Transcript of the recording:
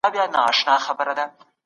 کمپيوټر فشار څاري.